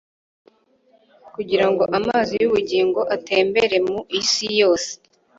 kugira ngo amazi y'ubugingo atembere mu isi yose.